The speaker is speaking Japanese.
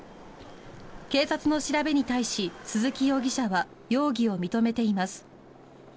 警察の調べに対し、鈴木容疑者は容疑を認めています。